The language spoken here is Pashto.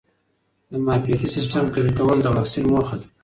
د معافیتي سیسټم قوي کول د واکسین موخه ده.